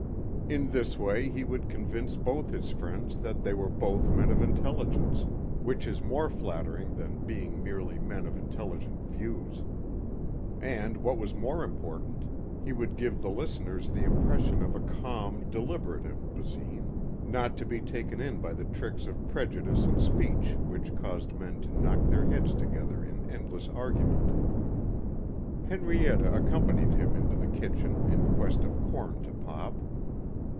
In this way he would convince both his friends that they were both men of intelligence, which is more flattering than being merely men of intelligent views. And, what was more important, he would give the listeners the impression of a calm, deliberative Basine, not to be taken in by the tricks of prejudice and speech which caused men to knock their heads together in endless argument. Henrietta accompanied him into the kitchen in quest of corn to pop.